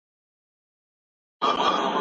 له لوی سره لوی اوسئ.